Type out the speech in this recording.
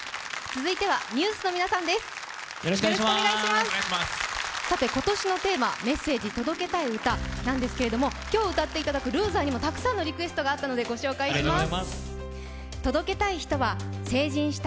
続いてはＮＥＷＳの皆さんです、今年のテーマ、「メッセージ届けたい歌」なんですけれども、今日歌っていただく「ＬＯＳＥＲ」にもたくさんのリクエストがあったのでご紹介します。